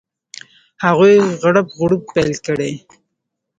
هغوی غړپ غړوپ پیل کړي.